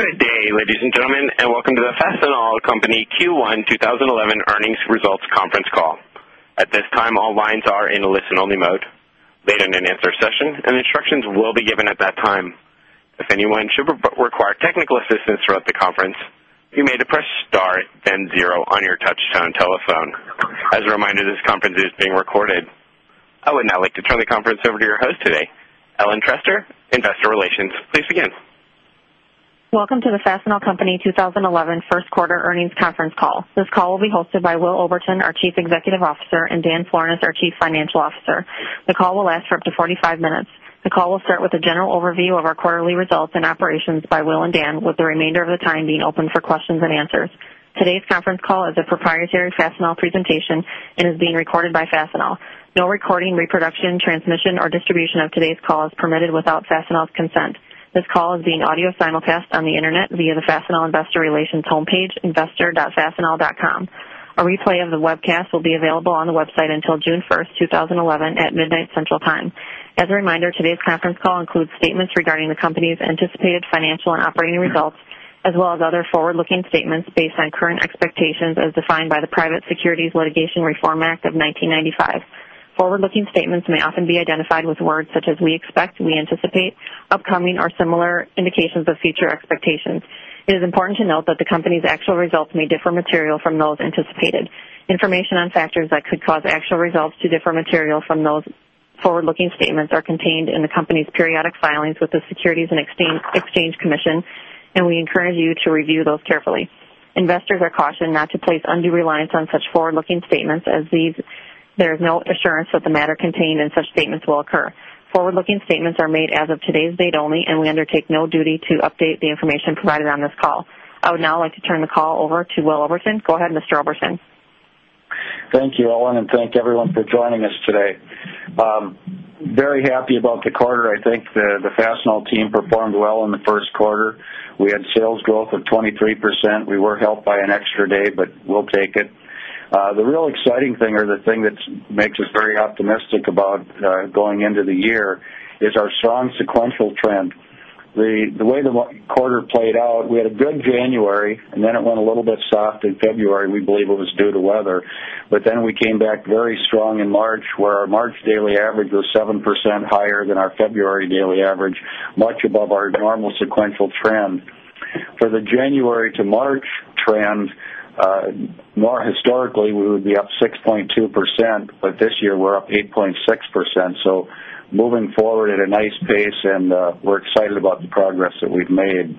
Good day, ladies and gentlemen, and welcome to the Fastenal Company Q1 2011 Earnings Results Conference Call. At this time, all lines are in a listen only mode. Later in the answer session and instructions will be given at that time. As a reminder, this conference is being recorded. I would now like to turn the conference over to your host today, Ellen Trestor, Investor Relations. Please begin. Welcome to the Fastenal Company 2011 First Quarter Earnings Conference Call. This call will be hosted by Will Overton, our Chief Executive Officer and Dan Flores, our Chief Financial Officer. The call will last for up to 45 minutes. The call will start with a general overview of our quarterly results and operations by Will and Dan with the remainder of the time being open for questions and answers. Today's conference call is a proprietary Fastenal presentation and is being recorded by Fastenal. No recording, reproduction, transmission or distribution of today's call is permitted without Fastenal's consent. This call is being audio simulcast on the Internet via the Fastenal Investor Relations homepage, investor. Fastenal.com. A replay of the webcast will be available on the website until June 1, 2011 at midnight Central Time. As a reminder, today's conference call includes statements regarding the company's anticipated financial and operating results as well as other forward looking statements based on current expectations as defined by the Private Securities Litigation Reform Act of 1995. Forward looking statements may often be identified with words such as we expect, we anticipate, upcoming or similar indications of future expectations. It is important to note that the company's actual results may differ materially from those anticipated. Information on factors that could cause actual results to differ materially from those forward looking statements are contained in the company's periodic filings with the Securities and Exchange Commission, and we encourage you to review those carefully. Investors are cautioned not to place undue reliance on such forward looking statements as these there is no assurance that the matter contained in such statements will occur. Forward looking statements are made as of today's date only and we undertake no duty to update the information provided on this call. I would now like to turn the call over to Will Overson. Go ahead, Mr. Overson. Thank you, Owen, and thank everyone for joining us today. Very happy about the quarter. I think the Fastenal team performed well in the Q1. We had sales growth of 23%. We were helped by an extra day, but we'll take it. The real exciting thing or the thing that makes us very optimistic about going into the year is our strong sequential trend. The way the quarter played out, we had a good January and then it went a little bit soft in February. We believe it was due to weather, but then we came back very strong in March where our March daily average was 7% higher than our February daily average, much above our normal sequential trend. For the January to March trend, more historically, we would be up 6.2%, but this year, we're up 8.6%. So moving forward at a nice pace and we're excited about the progress that we've made.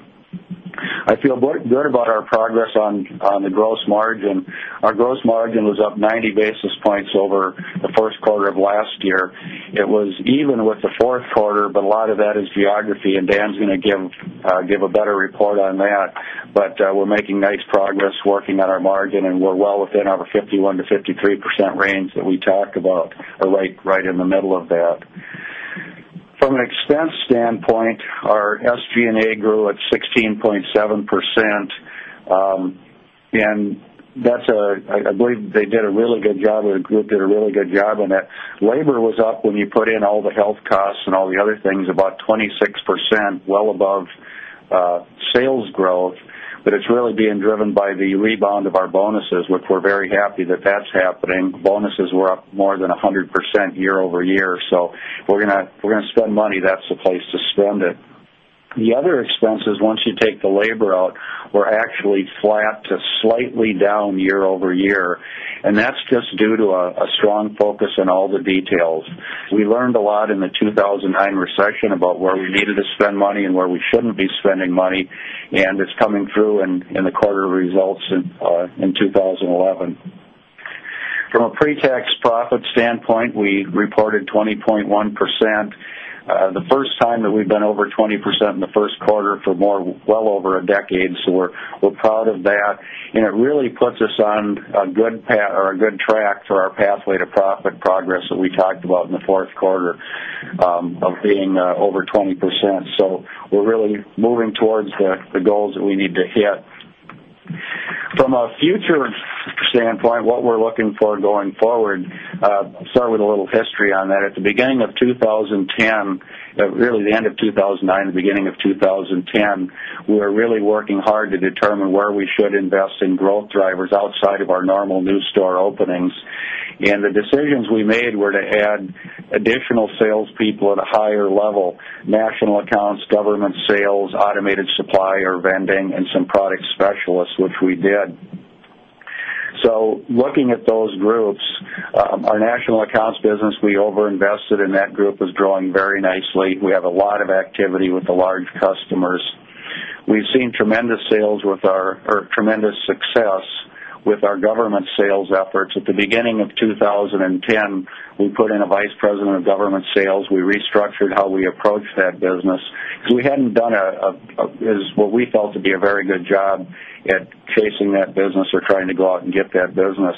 I feel good about our progress on the gross margin. Our gross margin was up 90 basis points over the Q1 of last year. It was even with the Q4, but a lot of that is geography and Dan is going to give a better report on that. But we're making nice progress working on our margin and we're well within our 51% to 53% range that we talked about right in the middle of that. From an expense standpoint, our SG and A grew at 16.7% and that's a I believe they did a really good job and the group did a really good job on that. Labor was up when you put in all the health costs and all the other things about 26%, well above sales growth, but it's really being driven by the rebound of our bonuses, which we're very happy that that's happening. Bonuses were up more than 100% year over year. So we're going to spend money, that's the place to spend it. The other expenses, once you take the labor out, were actually flat to slightly down year over year. And that's just due to a strong focus in all the details. We learned a lot in the 2,009 recession about where we needed to spend money and where we shouldn't be spending money and it's coming through in the quarter results in 2011. From a pre tax profit standpoint, we reported 20.1 percent, the first time that we've been over 20% in the Q1 for more well over a decade. So we're proud of that and it really puts us on a good track for our pathway to profit progress that we talked about in the Q4 of being over 20%. So we're really moving towards the goals that we need to hit. From a future standpoint, what we're looking for going forward, I'll start with a little history on that. At the beginning of 2010, really the end of 2009 and beginning of 2010, we were really working hard to determine where we should invest in growth drivers outside of our normal new store openings. And the decisions we made were to add additional salespeople at a higher level, national accounts, government sales, automated supplier, vending and some product specialists, which we did. So looking at those groups, our national accounts business, we over invested in that group, was growing very nicely. We have a lot of activity with the large customers. We've seen tremendous sales with our tremendous success with our government sales efforts. At the beginning of 2010, we put in a Vice President of Government Sales. We restructured how we approach that business. So we hadn't done what we felt to be a very good job at chasing that business or trying to go out and get that business.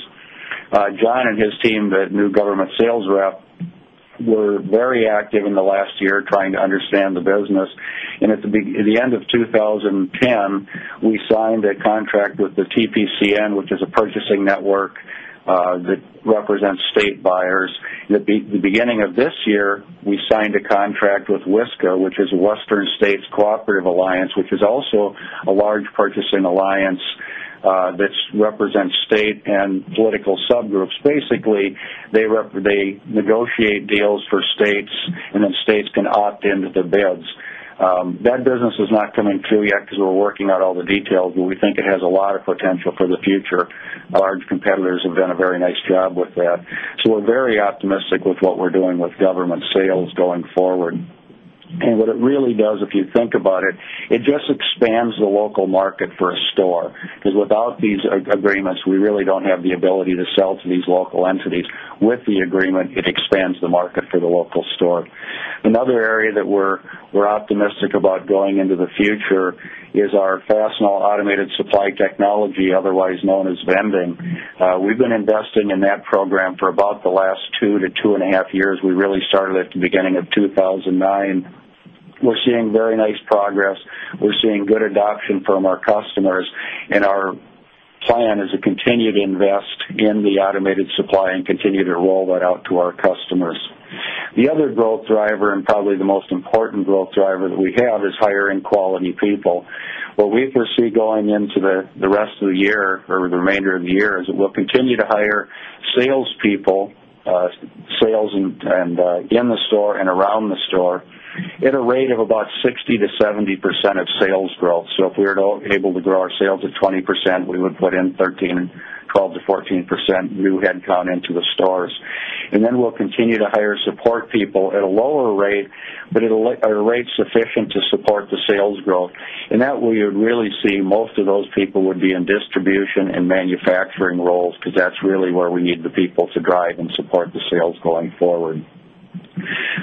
John and his team, the new government sales rep, were very active in the last year trying to understand the business. And at the end of 2010, we signed a contract with the TPCN, which is a purchasing network that represents state buyers. At the beginning of this year, we signed a contract with WSCA, which is Western States Cooperative Alliance, which is also a large purchasing alliance that represents state and political subgroups. Basically, they negotiate deals for states and then states can opt in to the bids. That business is not coming through yet because we're working out all the details, but we think it has a lot of potential for the future. Our large competitors have done a very nice job with that. So we're very optimistic with what we're doing with government sales going forward. And what it really does if you think about it, it just expands the local market for a store because without these agreements, we really don't have the ability to sell to these local entities. With the agreement, it expands the market for the local store. Another area that we're optimistic about going into the future is our Fastenal automated supply technology otherwise known as vending. We've been investing in that program for about the last 2 to 2.5 years. We really started at the beginning of 2,009. We're seeing very nice progress. We're seeing good adoption from our customers. And our plan is to continue to invest in the automated supply and continue to roll that out to our customers. The other growth driver and probably the most important growth driver that we have is hiring quality people. What we foresee going into the rest of the year or the remainder of the year is that we'll continue to hire sales people, sales in the store and around the store at a rate of about 60% to 70% of sales growth. So if we were able to grow our sales at 20%, we would put in 13% 12% to 14% new headcount into the stores. And then we'll continue to hire support people at a lower rate, but at a rate sufficient to support the sales growth. And that way you'd really see most of those people would be in distribution and manufacturing roles because that's really where we need the people to drive and support the sales going forward.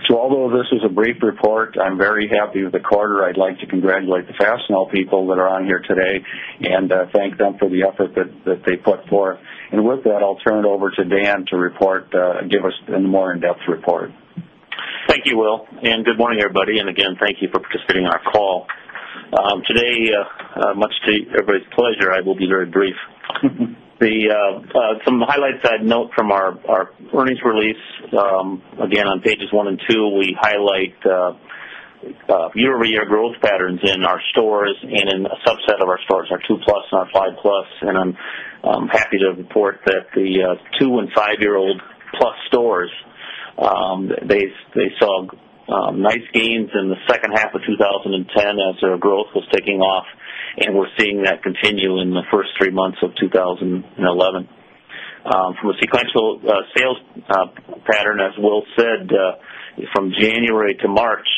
So although this is a brief report, I'm very happy with the quarter. I'd like to congratulate the Fastenal people that are on here today and thank them for the effort that they put forth. And with that, I'll turn it over to Dan to report give us a more in-depth report. Thank you, Will, and good morning everybody and again thank you for participating in our call. Today, much to everybody's pleasure, I will be very brief. Some highlights I'd note from our earnings release. Again, on Pages 12, we highlight year over year growth patterns in our stores and in a subset of our stores, our 2 plus and our 5 plus and I'm happy to report that the 25 year old plus stores, they saw nice gains in the second half of twenty ten as their growth was taking off and we're seeing that continue in the 1st 3 months of 2011. From a sequential sales pattern, as Will said, from January to March,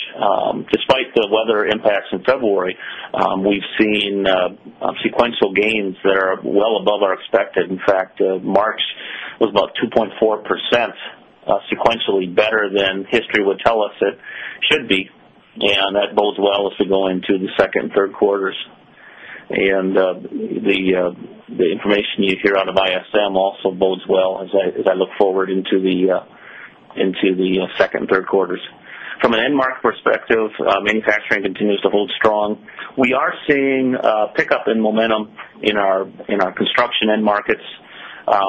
despite the weather impacts in February, we've seen sequential gains that are well above our expected. In fact, March was about 2.4% sequentially better than history would tell us it should be. And that bodes well as we go into the second and third quarters. And the information you hear out of ISM also bodes well as I look forward into the second and third quarters. From an end market perspective, manufacturing continues to hold strong. We are seeing a pickup in momentum in our construction end markets,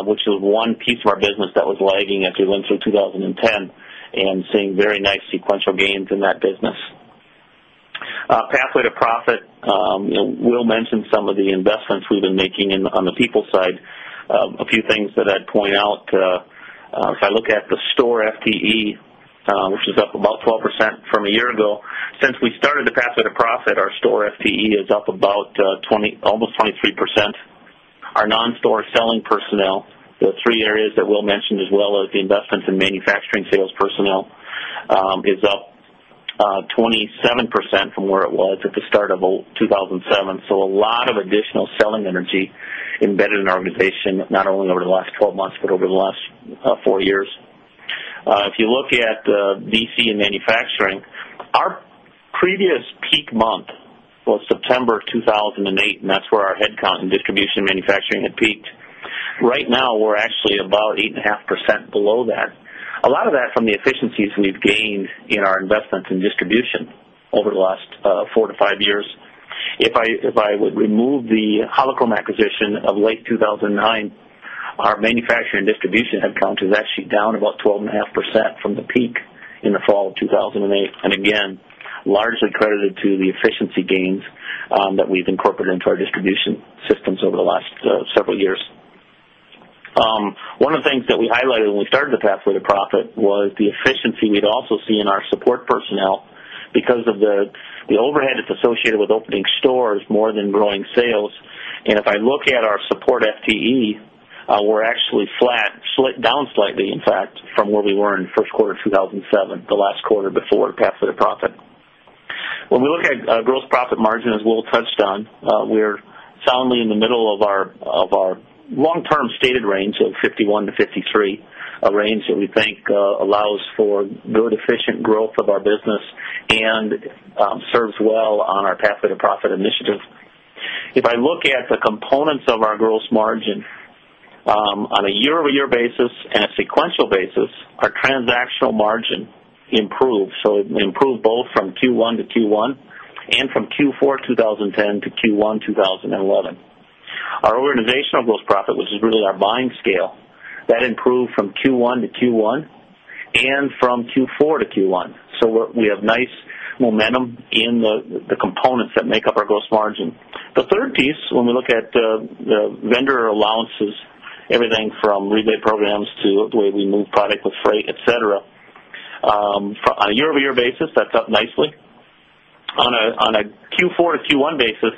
which is one piece of our business that was lagging as we went through 2010 and seeing very nice sequential gains in that business. Pathway to profit, Will mentioned some of the investments we've been making on the people side. A few things that I'd point out, if I look at the store FTE, which is up about 12% from a year ago, since we started to pass it to profit, our store FTE is up about almost 23%. Our non store selling personnel, the 3 areas that Will mentioned as well as the investments in manufacturing sales personnel, is up 27% from where it was at the start of 2,007. So a lot of additional selling energy embedded in our organization, not only over the last 12 months, but over the last 4 years. If you look at DC and Manufacturing, our previous peak month was September 2008 and that's where our headcount in distribution and manufacturing had peaked. Right now, we're actually about 8.5% below that. A lot of that from the efficiencies we've gained in our investments in distribution over the last 4 to 5 years. If I would remove the Holocomb acquisition of late 2009, our manufacturing and distribution headcount is actually down about 12.5% from the peak in the fall of 2,008. And again, largely credited to the efficiency gains that we've incorporated into our distribution systems over the last several years. One of the things that we highlighted when we started the pathway to profit was the efficiency we'd also see in our support personnel because of the overhead that's associated with opening stores more than growing sales. And if I look at our support FTE, we're actually flat, down slightly in fact from where we were in Q1 of 2007, the last quarter before the path for the profit. When we look at gross profit margin, as Will touched on, we are soundly in the middle of our long term stated range of 51 to 53, a range that we think allows for good efficient growth of our business and serves well on our pathway to profit initiative. If I look at the components of our gross margin, on a year over year basis and a sequential basis, our transactional margin improved. So it improved both from Q1 to Q1 and from Q4 2010 to Q1 2011. Our organizational gross profit, which is really our buying scale, that improved from Q1 to Q1 and from Q4 to Q1. So we have nice momentum in the components that make up our gross margin. The 3rd piece, when we look at vendor allowances, everything from rebate programs to the way we move product with freight, etcetera, on a year over year basis that's up nicely. On a Q4 to Q1 basis,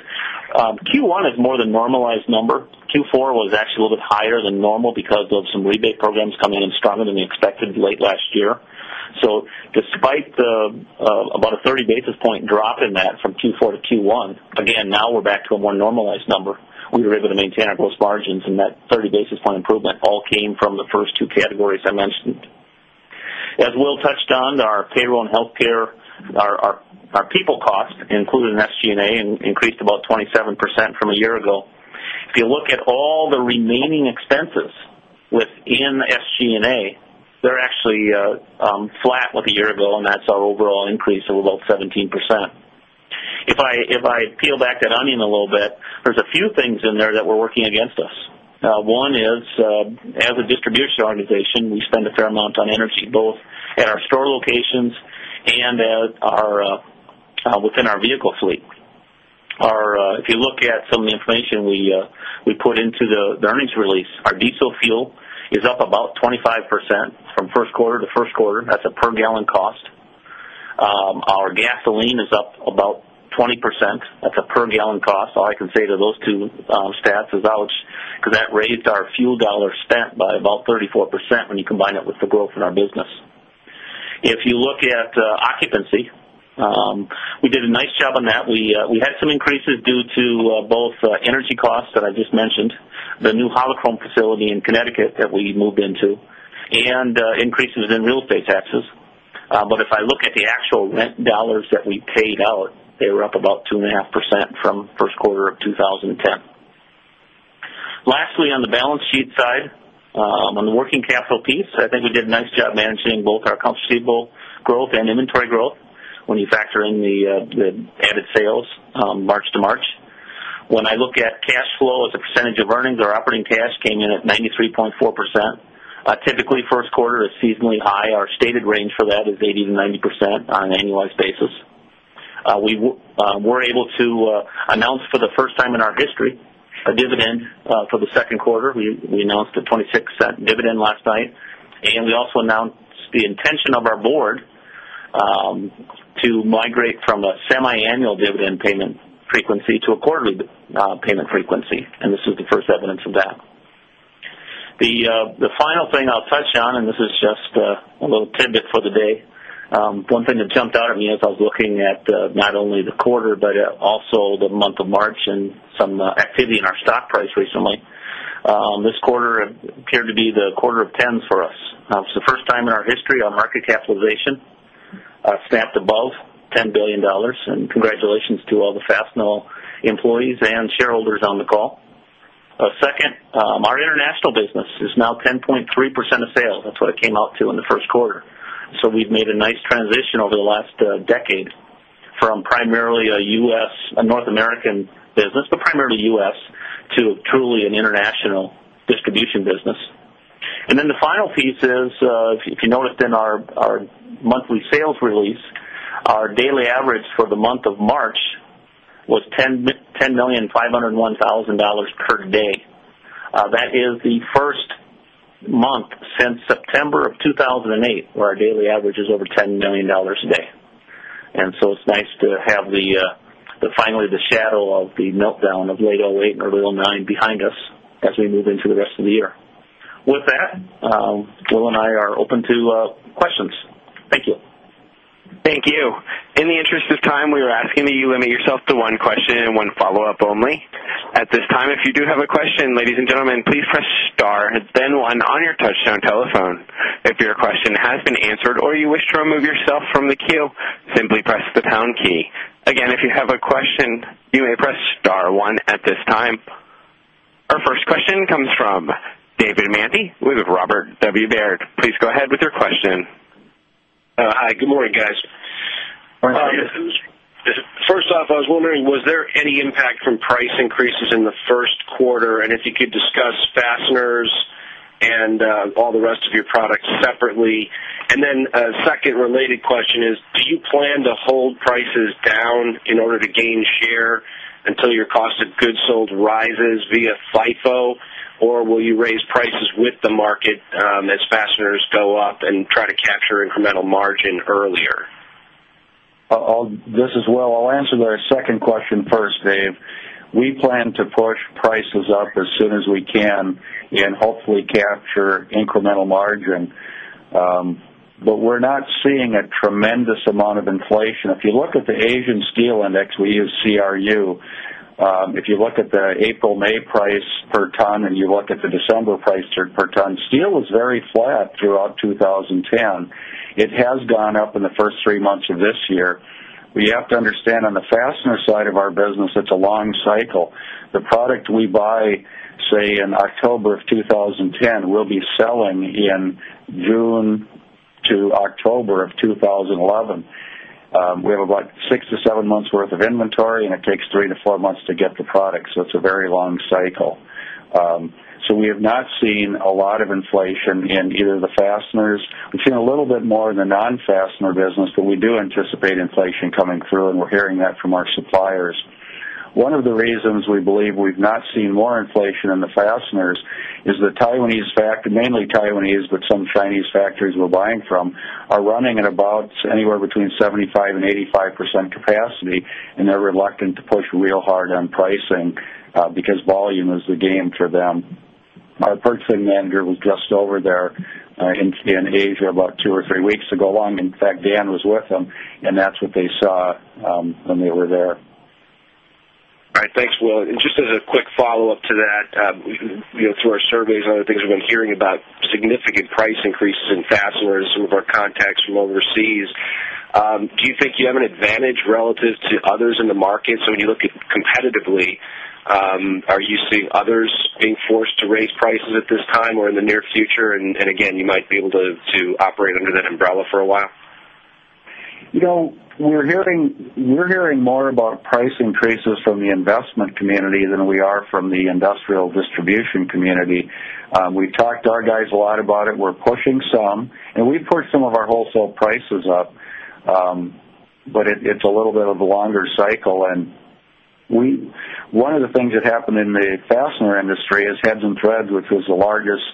Q1 is more than normalized number. Q4 was actually a little bit higher than normal because of some rebate programs coming stronger than we expected late last year. So despite about a 30 basis point drop in that from Q4 to Q1, again, now we're back to a more normalized number, we were able to maintain our gross margins and that 30 basis point improvement all came from the first two categories I mentioned. As Will touched on, our payroll and healthcare our people cost included in SG and A increased about 27% from a year ago. If you look at all the remaining expenses within SG and A, they're actually flat with a year ago and that's our overall increase of about 17%. If I peel back that onion a little bit, there's a few things in there that were working against us. One is, as a distribution organization, we spend a fair amount on energy both at our store locations and at our within our vehicle fleet. If you look at some of the information we put into the earnings release, our diesel fuel is up about 25% from Q1 to Q1 and that's a per gallon cost. Our gasoline is up about 20%, That's a per gallon cost. All I can say to those 2 stats is out because that raised our fuel dollar spent by about 34% when you combine it with the growth in our business. If you look at occupancy, we did a nice job on that. We had some increases due to both energy costs that I just mentioned, the new Holocron facility in Connecticut that we moved into and increases in real estate taxes. But if I look at the actual rent dollars that we paid out, they were up about 2.5% from Q1 of 2010. Lastly, on the balance sheet side, on the working capital piece, I think we did a nice job managing both our accounts receivable growth and inventory growth when you factor in the added sales March to March. When I look at cash flow as a percentage of earnings, our operating cash came in at 93.4%. Typically, Q1 is seasonally high. Our stated range for that is 80% to 90% on an annualized basis. We were able to announce for the first time in our history a dividend for the Q2. We announced a $0.26 dividend last night and we also announced the intention of our Board to migrate from a semiannual dividend payment frequency to a quarterly payment frequency and this is the first evidence of that. The final thing I'll touch on and this is just a little tidbit for the day. One thing that jumped out at me as I was looking at not only the quarter, but also the month of March and some activity in our stock price recently. This quarter appeared to be the quarter of 10 for us. It's the first time in our history our market capitalization snapped above $10,000,000,000 and congratulations to all the Fastenal employees and shareholders on the call. 2nd, our international business is now 10.3% of sales. That's what it came out to in the Q1. So we've made a nice transition over the last decade from primarily a U. S. North American business, but primarily U. S. To truly an international distribution business. And then the final piece is, if you noticed in our monthly sales release, our daily average for the month of March was $10,501,000 per day. That is the 1st month since September of 2,008 where our daily average is over $10,000,000 a day. And so it's nice to have the finally the shadow of the meltdown of late 2008 and early 2009 behind us as we move into the rest of the year. With that, Bill and I are open to questions. Thank you. Thank you. In the interest of time, we are asking that you limit yourself to one question and one follow-up only. Our first question comes from David Manthey with Robert W. Baird. Please go ahead with your question. Hi, good morning guys. First off, I was wondering was there any impact from price increases in the Q1? And if you could discuss fasteners and all the rest of your products separately? And then second related question is, do you plan to hold prices down in order to gain share until your cost of goods sold rises via FIFO or will you raise prices with the market as fasteners go up and try capture incremental margin earlier? This is Will. I'll answer the second question first, Dave. We plan to push prices up as soon as we can and hopefully capture incremental margin. But we're not seeing a tremendous amount of inflation. If you look at the Asian Steel Index, we use CRU. If you look at the April, May price per ton and you look at the December price per ton, steel was very flat throughout 2010. It has gone up in the 1st 3 months of this year. We have to understand on the fastener side of our business, it's a long cycle. The product we buy, say, in October of 2010, we'll be selling in June to October of 2011. We have about 6 to 7 months worth of inventory and it takes 3 to 4 months to get the product. So it's a very long cycle. So we have not seen a lot of inflation in either the fasteners. We've seen a little bit more in the non fastener business, but we do anticipate inflation coming through and we're hearing that from our suppliers. One of the reasons we believe we've not seen more inflation in the fasteners is the Taiwanese fact mainly Taiwanese, but some Chinese factories we're buying from are running at about anywhere between 75% and 85% capacity and they're reluctant to push real hard on pricing because volume is the game for them. Our purchasing manager was just over there in Asia about 2 or 3 weeks ago along. In fact, Dan was with them and that's what they saw when they were there. All right. Thanks, Will. And just as a quick follow-up to that, through our surveys and other things we've been hearing about significant price increases in fasteners, some of our contacts from overseas. Do you think you have an advantage relative to others in the market? So, when you look at competitively, are you seeing others being forced to raise prices at this time or in the near future? And again, you might be able to operate under that umbrella for a while? We're hearing more about price increases from the investment community than we are from the industrial distribution community. We've talked to our guys a lot about it. We're pushing some and we've pushed some of our wholesale prices up, but it's a little bit of a longer cycle. And we one of the things that happened in the fastener industry is Heads and Threads, which was the largest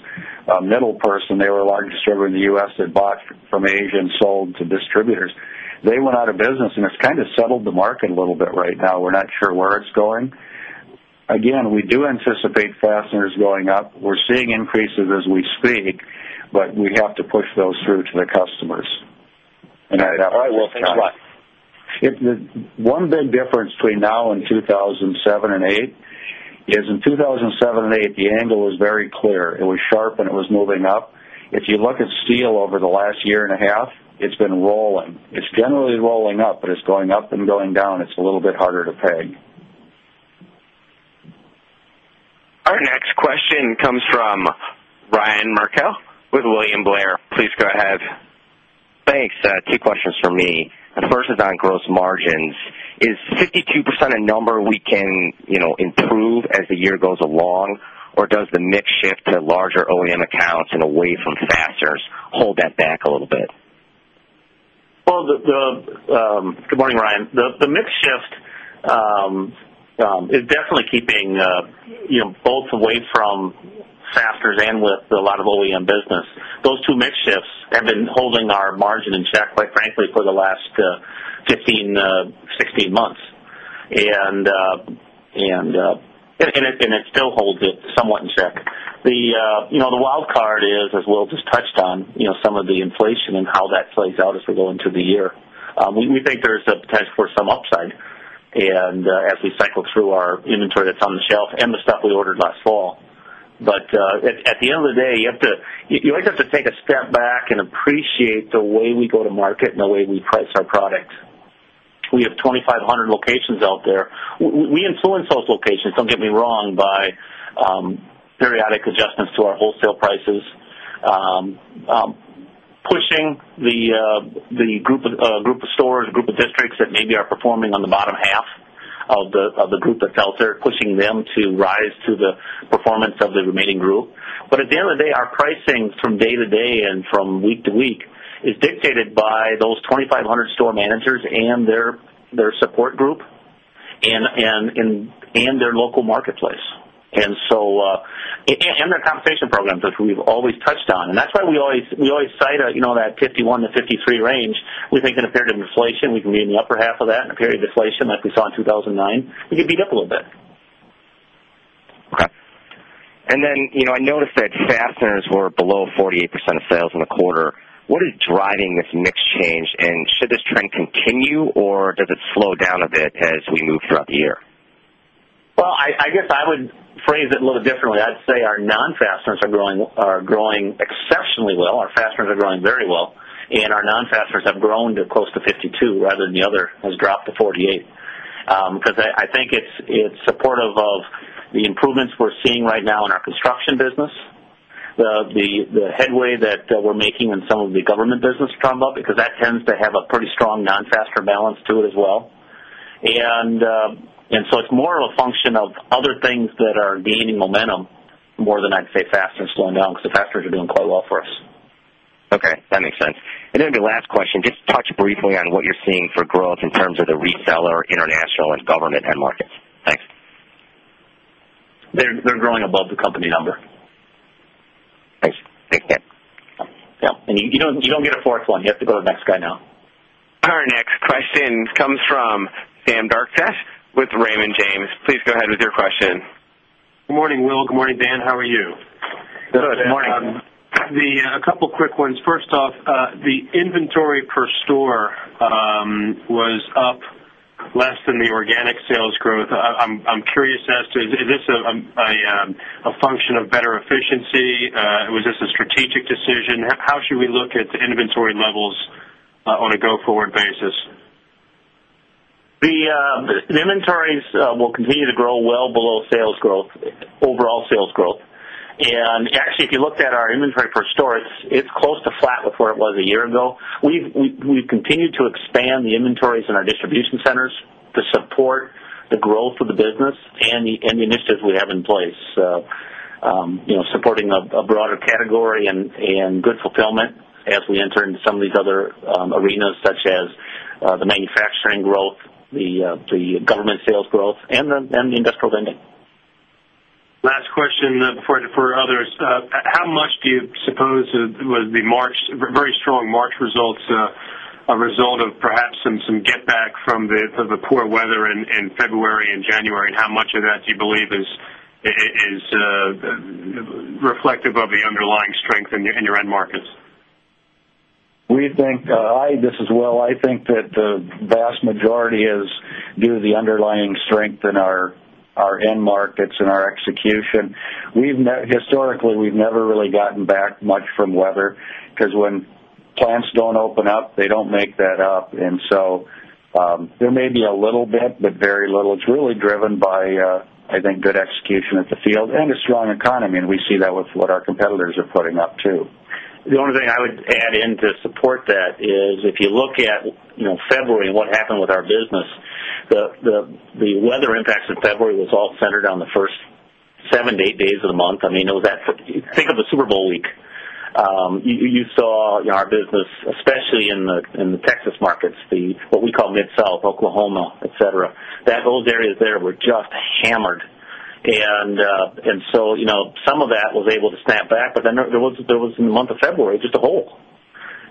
middle person, they were the largest distributor in the U. S. That bought from Asia and sold to distributors. They went out of business and it's kind of settled the market a little bit right now. We're not sure where it's going. Again, we do anticipate fasteners going up. We're seeing increases as we speak, but we have to push those through to the customers. And I'd have to I will say, John. One big difference between now and 2,007 and 20 8 is in 2,007 and 20 8, the angle was very clear. It was sharp and it was moving up. If you look at steel over the last year and a half, it's been rolling. It's generally rolling up, but it's going up and going down. It's a little bit harder to peg. Our next question comes from Ryan Merkel with William Blair. Please go ahead. Thanks. Two questions from me. The first is on gross margins. Is 52% a number we can improve as the year goes along? Or does the mix shift to larger OEM accounts and away from FASTERS hold that back a little bit? Ryan. The mix shift is definitely keeping both away from Fasteners and with a lot of OEM business. Those two mix shifts have been holding our margin in check quite frankly for the last 15 months, 16 months and it still holds it somewhat in check. The wildcard is, as Will just touched on, some of the inflation and how that plays out as we go into the year. We think there is a potential for some upside and as we cycle through our inventory that's on the shelf and the stuff we ordered last fall. But at the end of the day, you have to you always have to take a step back and appreciate the way we go to market and the way we price our product. We have 2,500 locations out there. We influence those locations, don't get me wrong, by periodic adjustments to our wholesale prices, pushing the group of stores, group of districts that maybe are performing on the bottom half of the group that felt there pushing them to rise to the performance of the remaining group. But at the end of the day, our pricing from day to day and from week to week is dictated by those 2,500 store managers and their support group and their local marketplace. And so and their compensation programs, which we've always touched on. And that's why we always cite that 51% to 53% range. We think in a period of inflation, we can be in the upper half of that in a period of deflation like we saw in 2,009, we could beat up a little bit. Okay. And then I noticed that fasteners were below 48% of sales in the quarter. What is driving this mix change? And should this trend continue or does it slow down a bit as we move throughout the year? Well, I guess, I would phrase it a little differently. I'd say our non fasteners are growing exceptionally well. Our fasteners are growing very well and our non fasteners have grown to close to 52 rather than the other has dropped to 48. Because I think it's supportive of the improvements we're seeing right now in our construction business, the headway that we're making in some of the government business is coming up because that tends to have a pretty strong non faster balance to it as well. And so it's more of a function of other things that are gaining momentum more than I'd say faster slowing down because the fasteners are doing quite well for us. Okay. That makes sense. And then the last question, just touch briefly on what you're seeing for growth in terms of the reseller, international and government end markets? Thanks. They're growing above the company number. Thanks. Thanks, Matt. Yes. And you don't get a 4th one. You have to go to the next guy now. Our next question comes from Sam Darkatsh with Raymond James. Please go ahead with your question. Good morning, Will. Good morning, Dan. How are you? Good morning. A couple of quick ones. First off, the inventory per store was up less than the organic sales growth. I'm curious as to is this a function of better efficiency? Was this a strategic decision? How should we look at inventory levels on a go forward basis? The inventories will continue to grow well below sales growth, overall sales growth. And actually if you looked at our inventory per store, it's close to flat with where it was a year ago. We've continued to expand the inventories in our distribution centers to support the growth of the business and the initiatives we have in place, supporting a broader category and good fulfillment as we enter into some of these other arenas such as the manufacturing growth, the government sales growth and the industrial lending. Last question for others. How much do you suppose was the March very strong March results, a result of perhaps some get back from the poor weather in February January? And how much of that do you believe is reflective of the underlying strength in your end markets? We think this is Will. I think that the vast majority is due to the underlying strength in our end markets and our execution. Historically, we've never really gotten back much from weather because when plants don't open up, they don't make that up. And so there may be a little bit, but very little. It's really driven by, I think, good execution. The only The only thing I would add in to support that is if you look at February and what happened with our business, the weather impacts in February was all centered on the first 7 to 8 days of the month. I mean, it was that think of the Super Bowl week. You saw our business, especially in the Texas markets, what we call Mid South Oklahoma, etcetera, that those areas there were just hammered. And so some of that was able to snap back, but then there was in the month of February just a hole.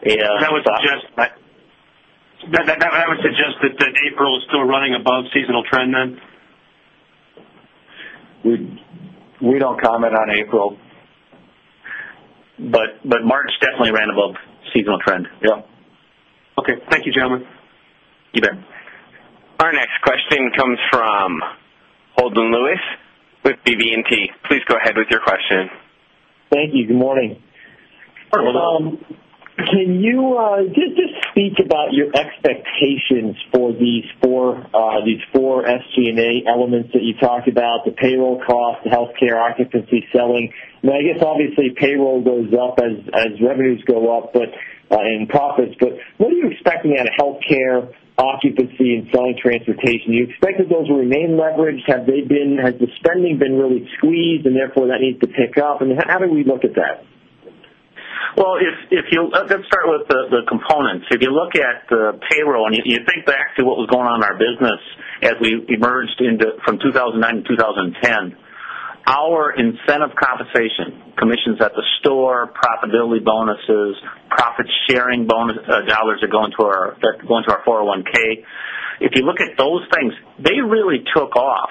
That would suggest that April is still running above seasonal trend then? We don't comment on April, but March definitely ran above seasonal trend. Yes. Okay. Thank you, gentlemen. You bet. Our next question comes from Holden Lewis with BB and T. Please go ahead with your question. Thank you. Good morning. Good morning, Holden. Can you just speak about your expectations for these 4 SG and A elements that you talked about, the payroll costs, the healthcare, occupancy, selling. Now, I guess, obviously, payroll goes up as revenues go up, but in profits. But what are you expecting out of healthcare, occupancy and selling transportation? Do you expect that those will remain leveraged? Have they been has the spending been really squeezed and therefore that needs to pick up? And how do we look at that? Well, if you let's start with the components. If you look at payroll and you think back to what was going on in our business as we emerged from 2,009 to 2010, our incentive compensation, commissions at the store, profitability bonuses, profit sharing dollars that go into our 401, If you look at those things, they really took off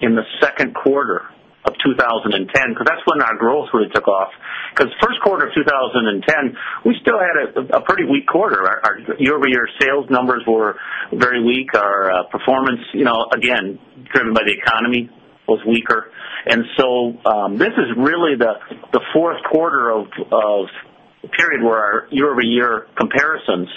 in the Q2 of 2010 because that's when our growth really took off because Q1 of 2010, we still had a pretty weak quarter. Our year over year sales numbers were very weak. Our performance, again, driven by the economy was weaker. And so this is really the Q4 of a period where our year over year comparisons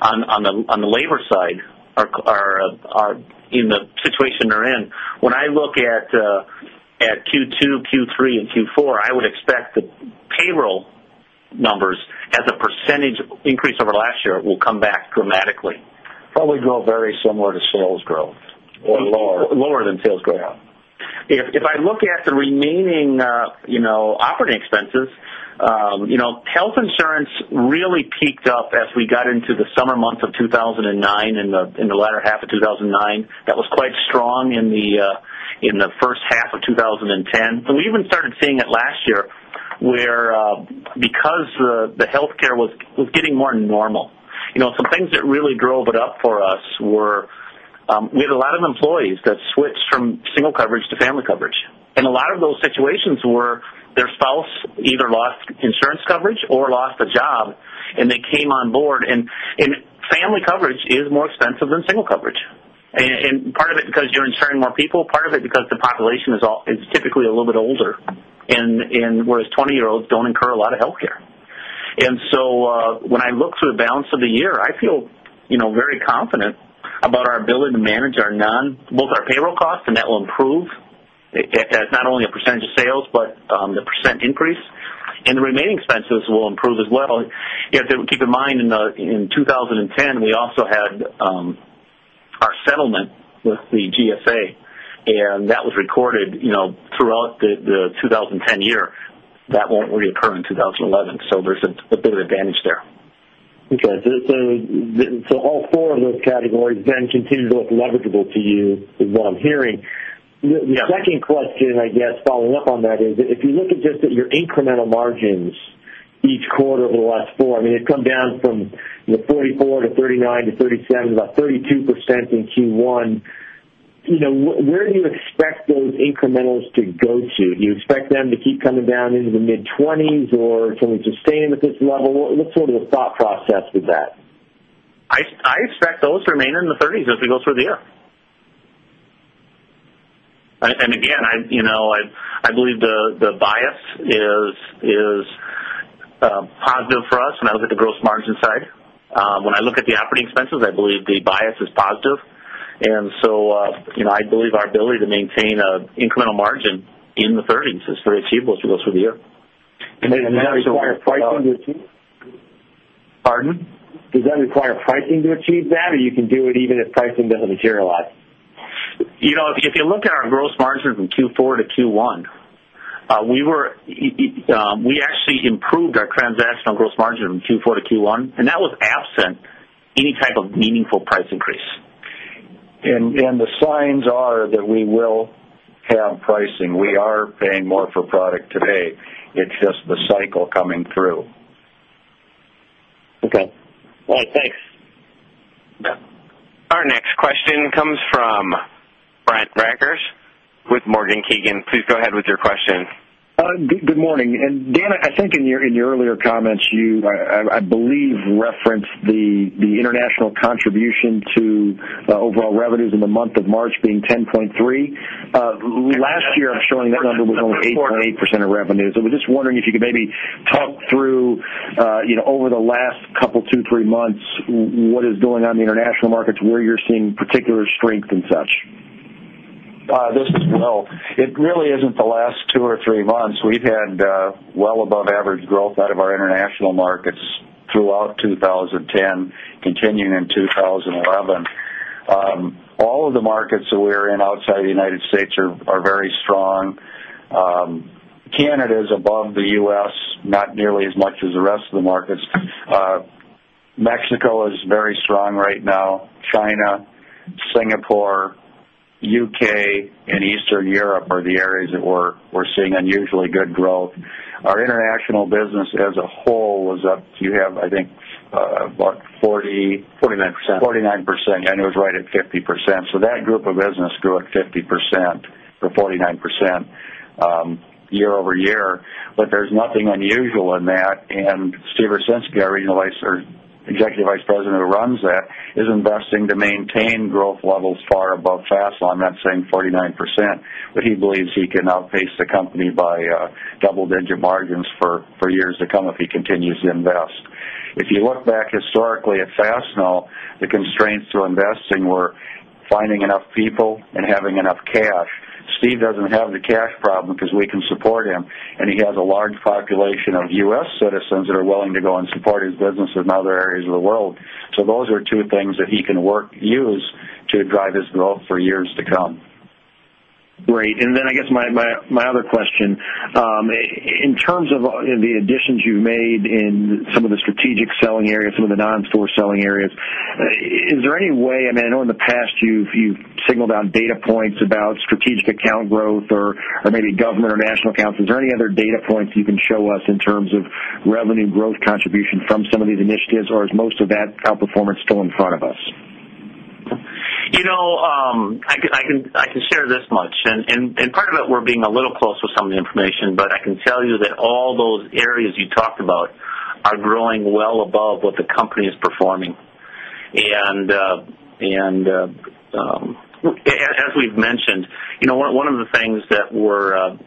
on the labor side are in the situation they're in. When I look at Q2, Q3 and Q4, I would expect the payroll numbers as a percentage increase over last year will come back dramatically. Probably grow very similar to sales growth. Or lower. Lower than sales growth. If I look at the remaining operating expenses, health insurance really peaked up as we got into the summer months of 2,009 and in the latter half of two thousand and nine. That was quite strong in the first half of twenty ten. And we even started seeing it last year where because the healthcare was getting more normal. Some things that really drove it up for us were we had a lot of employees that switched from single coverage to family coverage. And a lot of those situations were their spouse either lost insurance coverage or lost a job and they came on board and family coverage is more expensive than single coverage and part of it because you're insuring more people, part of it because the population is typically a little bit older and whereas 20 year olds don't incur a lot of healthcare. And so when I look through the balance of the year, I feel very confident about our ability to manage our non both our payroll costs and that will improve, not only a percentage of sales, but the percent increase and the remaining expenses will improve as well. Keep in mind in 2010, we also had our settlement with the GSA and that was recorded throughout the 2010 year. That won't reoccur in 2011. So there's a bit of advantage there. Okay. So, all 4 of those categories then continue to look leverageable to you is what I'm hearing. The second question, I guess, following up on that is, if you look at just your incremental margins each quarter over the last 4, I mean, it come down from 44% to 39% to 37%, about 32% in Q1. Where do you expect those incrementals to go to? Do you expect them to keep coming down into the mid-20s or should we sustain at this level? What sort of a thought process with that? I expect those remain in the 30s as we go through the year. And again, I believe the bias is positive for us when I look at the gross margin side. When I look at the operating expenses, I believe the bias is positive. And so, I believe our ability to maintain incremental margin in the 30th is very achievable for the rest of the year. And does that require pricing to achieve Pardon? Does that require pricing to achieve that or you can do it even if pricing doesn't materialize? If you look at our gross margin from Q4 to Q1, we were we actually improved our transactional gross margin from Q4 to Q1 and that was absent any type of meaningful price increase. And the signs are that we will have pricing. We are paying more for product today. It's just the cycle coming through. Okay. All right. Thanks. Our next question comes from Brent Brackers with Morgan Kiegan. Please go ahead with your question. Good morning. And Dan, I think in your earlier comments, you, I believe, referenced the international contribution to overall revenues in the month of March being 10.3%. Last year, I'm showing that number was only 8.8% of revenues. So we're just wondering if you could maybe talk through over the last couple of 2, 3 months, what is going on in the international markets, where you're seeing particular strength and such? This is Bill. It really isn't the last 2 or 3 months. We've had well above average growth out of our international markets throughout 2010 continuing in 2011. All of the markets that we are in outside the United States are very strong. Canada is above the U. S, not nearly as much as the rest of the markets. Mexico is very strong right now. China, Singapore, UK and Eastern Europe are the areas that we're seeing unusually good growth. Our international business as a whole was up, you have, I think, about 40 49%. 49%. 49% and it was right at 50 percent. So that group of business grew at 50% or 49% year over year, but there's nothing unusual in that. And Steve Versinski, our Executive Vice President who runs that is investing to maintain growth levels far above Fasl, I'm not saying 49%, but he believes he can outpace the company by double digit margins for years to come if he continues to invest. If you look back historically at Fastenal, the constraints to investing were finding enough people and having enough cash. Steve doesn't have the cash problem because we can support him and he has a large population of U. S. Citizens that are willing to go and support his business in other areas of the world. So those are two things that he can work use to drive this growth for years to come. Great. And then I guess my other question, in terms of the additions you made in some of the strategic selling areas, some of the non store selling areas, is there any way I mean, I know in the past you signaled out data points about strategic account growth or maybe government or national accounts, is there any other data points you can show us in terms of revenue growth contribution from some of these initiatives or is most of that outperformance still in front of us? I can share this much and part of it we're being a little close with some of the information, but I can tell you that all those areas you talked about are growing well above what the company is performing. And as we've mentioned, one of the things that we're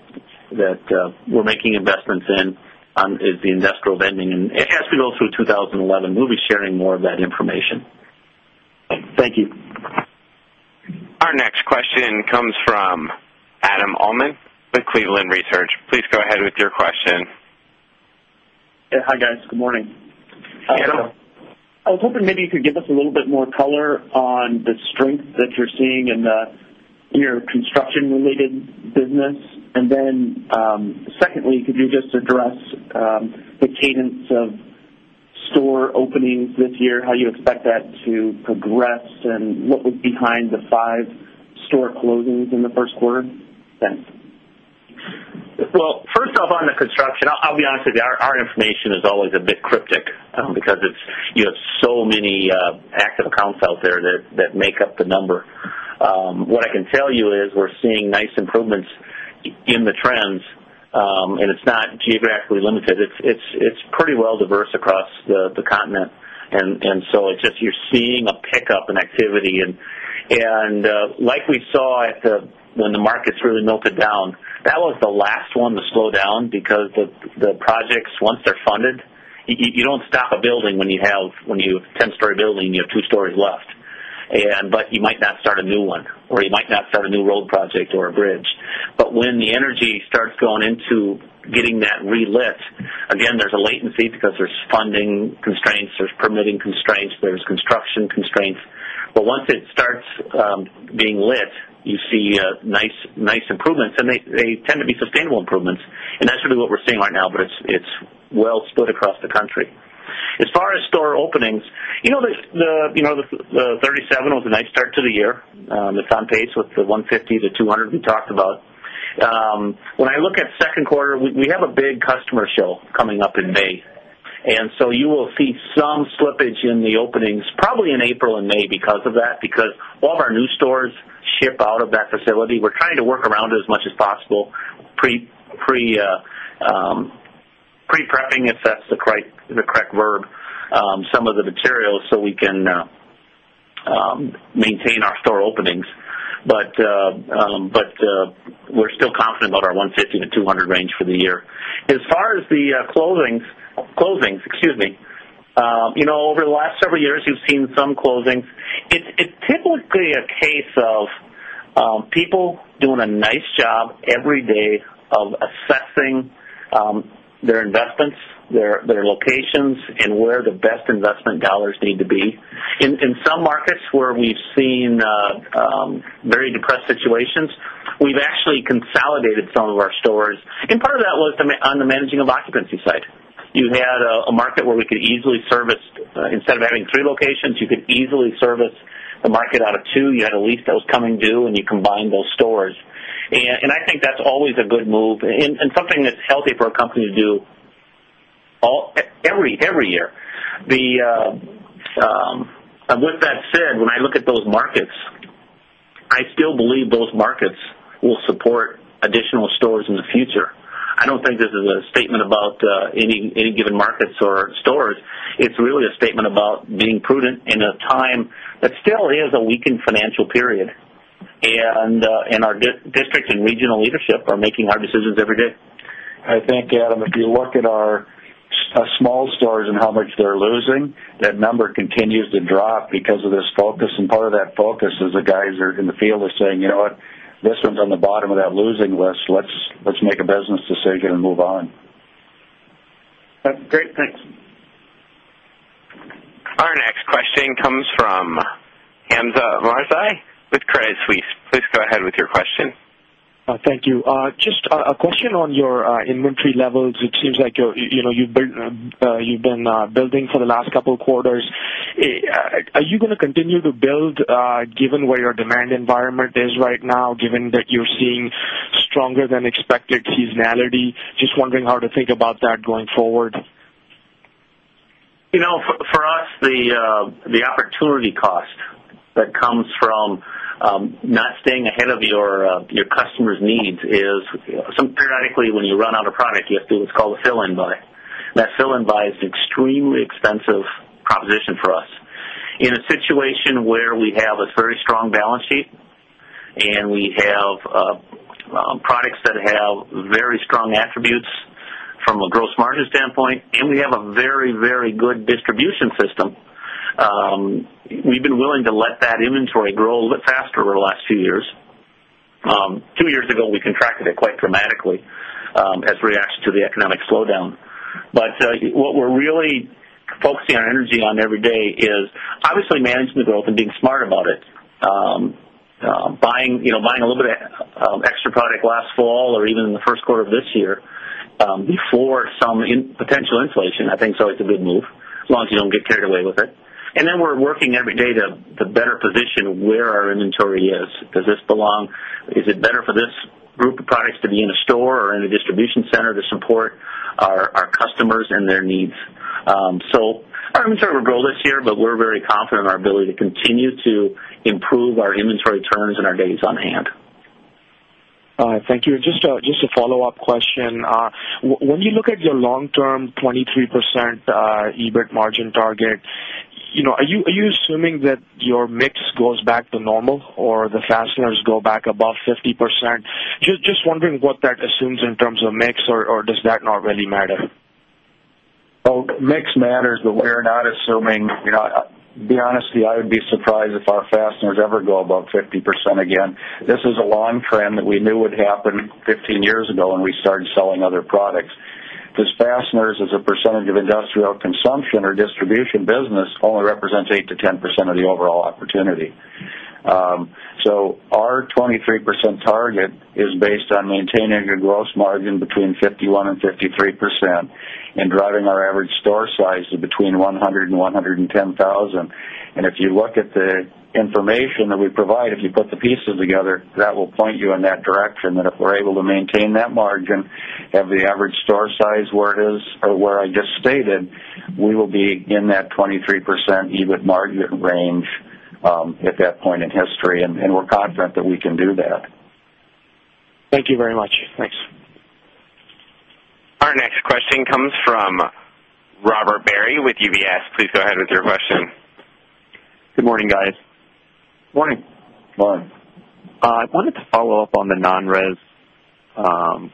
making investments in is the industrial vending and it has to go through 2011. We'll be sharing more of that information. Thank you. Our next question comes from Adam Uhlman with Cleveland Research. Please go ahead with your question. Hi guys, good morning. Hi Adam. I was hoping maybe you could give us a little bit more color on the strength that you're seeing in near construction related business? And then secondly, could you just address the cadence of store openings this year, how you expect that to progress and what was behind the 5 store closings in the Q1? Thanks. Well, first off on the construction, I'll be honest with you, our information is always a bit cryptic because it's so many active accounts out there that make up the number. What I can tell you is we're seeing nice improvements in the trends and it's not geographically limited. It's pretty well diverse across the continent. And so it's just you're seeing a pickup in activity. And like we saw at the when the markets really melted down, that was the last one to slow down because the projects once they're funded, you don't stop a building when you have a 10 story building and you have 2 stories left. But you might not start a new one or you might not start a new road project or a bridge. But when the energy starts going into getting that relit, again, there's a latency because there's funding constraints, there's permitting constraints, there's construction constraints. But once it starts being lit, you see nice improvements and they tend to be sustainable improvements. And that's really what we're seeing right now, but it's well stood across the country. As far as store openings, the 37 was a nice start to the year. It's on pace with the 150 to 200 we talked about. When I look at Q2, we have a big customer show coming up in May. And so you will see some slippage in the openings probably in April May because of that because all of our new stores ship out of that facility. We're trying to work around as much as possible pre prepping if that's the correct verb, some of the materials so we can maintain our store openings. But we're still confident about our $150,000,000 to $200,000,000 range for the year. As far as the closings, over the last several years you've seen some closings. It's typically a case of people doing a nice job every day of assessing their investments, their locations and where the best investment dollars need to be. In some markets where we've seen very depressed situations, we've actually consolidated some of our stores. And part of that was on the managing of occupancy side. You had a market where we could easily service instead of having 3 locations, you could easily service the market out of 2, you had a lease that was coming due and you combine those stores. And I think that's always a good move and something that's healthy for a company to do every year. The and with that said, when I look at those markets, I still believe those markets will support additional stores in the future. I don't think this is a statement about any given markets or stores. It's really a statement about being prudent in a time that still is a weakened financial period. And our district and regional leadership are making hard decisions every day. I think, Adam, if you look at our small stores and how much they're losing, that number continues to drop because of this focus and part of that focus is the guys are in the field are saying, you know what, this one's on the bottom of that losing list, Let's make a business decision and move on. Great. Thanks. Our next question comes from Hamzah Mazari with Credit Suisse. Please go ahead with your question. Thank you. Just a question on your inventory levels. It seems like you've been building for the last couple of quarters. Are you going to continue to build given where your demand environment is right now, given that you're seeing stronger than expected seasonality? Just wondering how to think about that going forward. For us, the opportunity cost that comes from not staying ahead of your customers' needs is some periodically when you run out of product you have to do what's called a fill in buy. That fill in buy is extremely expensive proposition for us. In a situation where we have a very strong balance sheet and we have products that have very strong attributes from a gross margin standpoint and we have a very, very good distribution system. We've been willing to let that inventory grow a little bit faster over the last few years. 2 years ago, we contracted it quite dramatically as a reaction to the economic slowdown. But what we're really focusing our energy on every day is obviously managing the growth and being smart about it, buying a little bit of extra product last fall or even in the Q1 of this year before some potential inflation, I think it's always a good move as long as you don't get carried away with it. And then we're working every day to better position where our inventory is. Does this belong? Is it better for this group of products to be in a store or in a distribution center to support our customers and their needs. So our inventory will grow this year, but we're very confident in our ability to continue to improve our inventory turns and our days on hand. All right. Thank you. Just a follow-up question. When you look at your long term 23% EBIT margin target, are you assuming that your mix goes back to normal or the fasteners go back above 50%? Just wondering what that assumes in terms of mix or does that not really matter? Well, mix matters, but we're not assuming to be honest with you, I would be surprised if our fasteners ever go above 50% again. This is a long trend that we knew would happen 15 years ago when we started selling other products. These fasteners as a percentage of industrial consumption or distribution business only represents 8% to 10% of the overall opportunity. So our 23% target is based maintaining a gross margin between 51% 53% and driving our average store size to between 101,101,000. And if you look at the information that we provide, if you put the pieces together, that will point you in that direction that if we're able to maintain that margin, have the average store size where it is or where I just stated, we will be in that 23% EBIT margin range at that point in history and we're confident that we can do that. Thank you very much. Thanks. Our next question comes from Robert Barry with UBS. Please go ahead with your question. Good morning, guys. Good morning. Good morning. I wanted to follow-up on the non res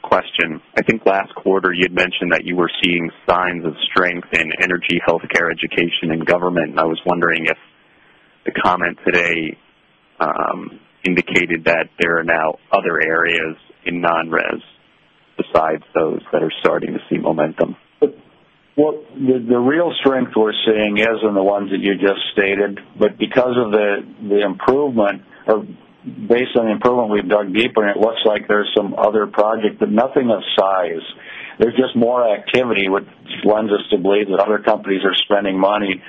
question. I think last quarter, you had mentioned that you were seeing signs of strength in energy, healthcare, education and government. And I was wondering if the comment today indicated that there are now other areas in non res besides those that are starting to see momentum. Well, the real strength we're seeing is in the ones that you just stated, but because of the improvement based on the improvement we've dug deeper, it looks like there's some other project, but nothing of size. There's just more activity, which lends us to believe that other companies are spending money.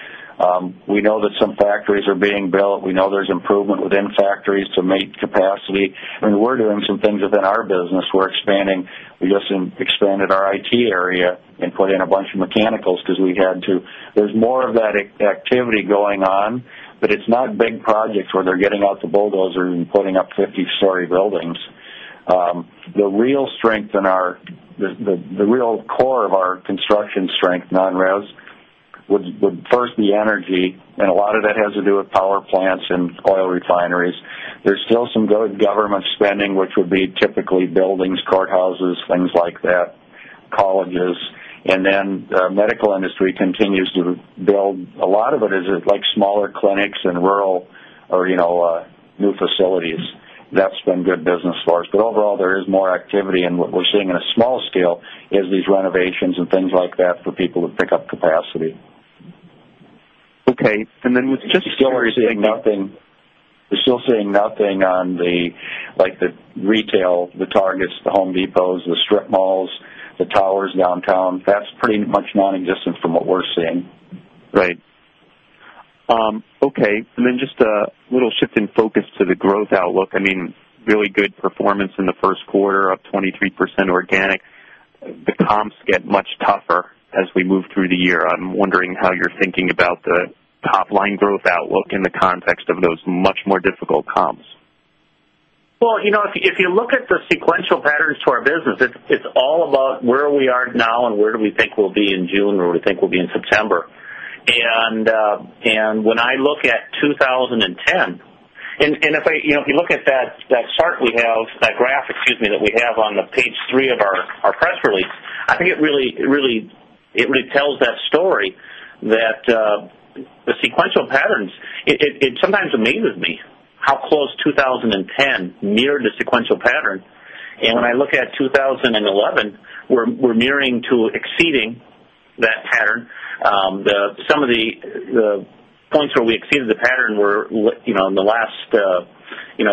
We know that some factories are being built. We know there's improvement within factories to meet capacity. And we're doing some things within our business. We're expanding we just expanded our IT area and put in a bunch of mechanicals because we had to There's more of that activity going on, but it's not big projects where they're getting out the bulldozer and putting up 50 storey buildings. The real strength in our the real core of our construction strength non res would first be energy and a lot of that has to do with power plants and oil refineries. There's still some good government spending, which would be typically buildings, courthouses, things like that, colleges. And then medical industry continues to build a lot of it is like smaller clinics and rural or new facilities. That's been good business for us. But overall, there is more activity and what we're seeing in a small scale is these renovations and things like that for people to pick up capacity. Okay. And then with just We're still seeing nothing on the like the retail, the Targets, the Home Depots, the Strip Malls, the towers downtown, that's pretty much non existent from what we're seeing. Right. Okay. And then just a little shift in focus to the growth outlook. I mean, really good performance in the Q1, up 23% organic. The comps get much tougher as we move through the year. I'm wondering how you're thinking about the top line growth outlook in the context of those much more difficult comps? Well, if you look at the sequential patterns to our business, it's all about where we are now and where do we think we'll be in June or we think we'll be in September. And when I look at 2010 and if you look at that chart we have that graph that we have on the Page 3 of our press release, I think it really tells that story that the sequential patterns, it sometimes amazes me how close 2010 near the sequential pattern. And when I look at 2011, we're nearing to exceeding that pattern. Some of the points where we exceeded the pattern were in the last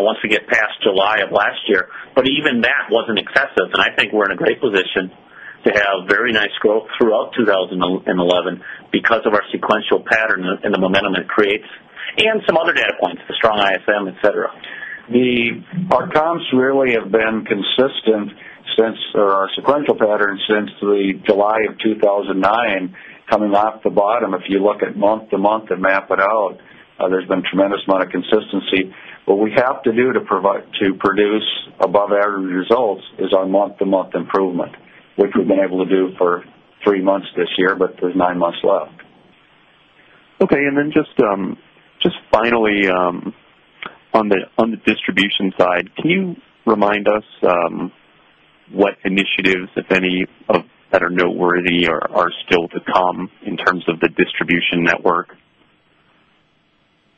once we get past July of last year, but even that wasn't excessive. And I think we're in a great position to have very nice growth throughout 2011 because of our sequential pattern and the momentum it creates and some other data points, the strong ISM, etcetera. Our comps really have been consistent since our sequential pattern since July of 2009 coming off the bottom. If you look at month to month and map it out, there's been tremendous amount of consistency. What we have to do to provide to produce above average results is our month to month improvement, which we've been able to do for 3 months this year, but there's 9 months left. Okay. And then just finally, on the distribution side, can you remind us what initiatives, if any, that are noteworthy are still to come in terms of the distribution network?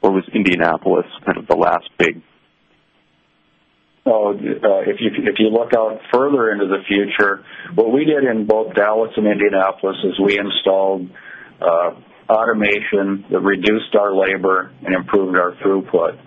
Or was Indianapolis kind of the last big? If you look out further into the future, what we did in both Dallas and Indianapolis is we installed automation that reduced our labor and improved our throughput.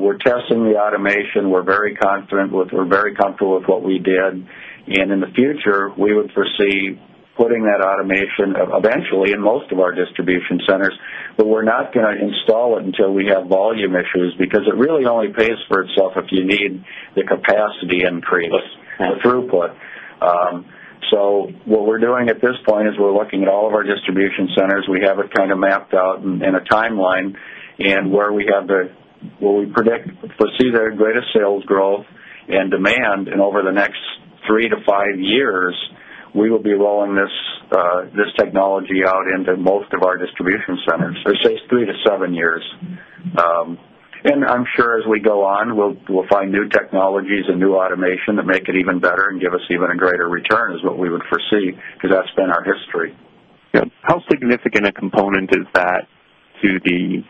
We're testing the automation. We're very confident with we're very comfortable with what we did. And in the future, we would foresee putting that automation eventually in most of our distribution centers, but we're not going to install it until we have volume issues because it really only pays for itself if you need the capacity increase the throughput. So what we're doing at this point is we're looking at all of our distribution centers. We have it kind of mapped out in a timeline and where we have the what we predict, foresee the greatest sales growth and demand. And over the next 3 to 5 years, we will be rolling this technology out into most of our distribution centers, let's say, 3 to 7 years. And I'm sure as we go on, we'll find new technologies and new automation to make it even better and give us even a greater return is what we would foresee because that's been our history. How significant a component is that to the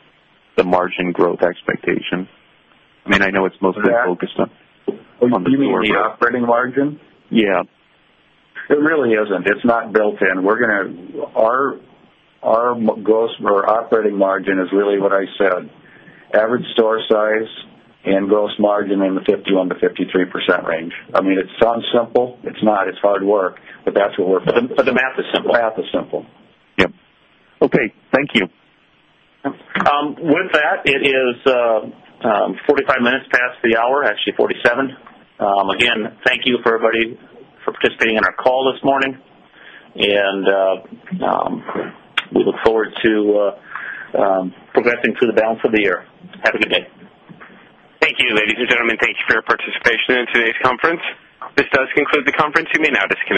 margin growth expectation? I mean, I know it's mostly focused You mean the operating margin? Yes. It really isn't. It's not built in. We're going to our gross or operating margin is really what I said. Average store size and gross margin in the 51% to 53% range. I mean, it sounds simple. It's not. It's hard work, but that's what we're focused on. But the math is simple. The math is simple. Yes. Okay. Thank you. With that, it is 45 minutes past the hour, actually 47. Again, thank you for everybody participating in our call this morning and we look forward to progressing through the balance of the year. Have a good day. Thank you. Ladies and gentlemen, thank you for your participation in today's conference. This does conclude the conference. You may now